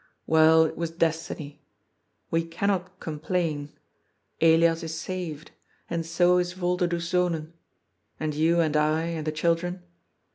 '* Well, it was destiny. We cannot complain. Ellas is sared. And so is Volderdoes Zonen. And yon and I and the children.